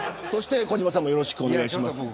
児嶋さんもよろしくお願いします。